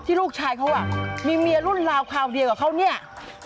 ลูกชายเขามีเมียรุ่นราวคราวเดียวกับเขาเนี่ย